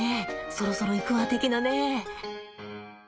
そろそろいくわ的なね。